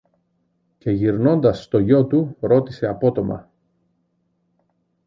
Και γυρνώντας στο γιο του ρώτησε απότομα